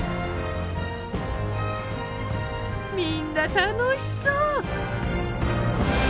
みんな楽しそう！